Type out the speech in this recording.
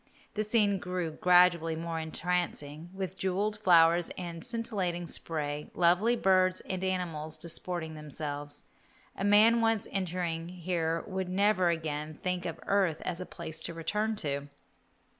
The scene grew gradually more entrancing, with jewelled flowers and scintillating spray, lovely birds and animals disporting themselves. A man once entering here would never again think of earth as a place to return to.